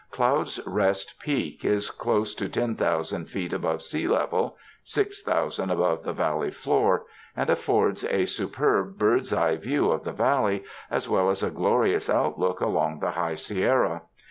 Cloud's Rest peak is close to ten thousand feet above sea level (six thousand above the Valley floor) and affords a su perb bird's eye view of the Valley, as well as a glorious outlook along the High Sierra.